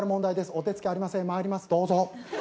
お手つきありませんまいりますどうぞ。